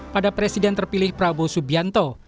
pada presiden terpilih prabowo subianto